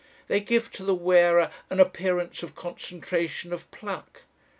They give to the wearer an appearance of concentration of pluck.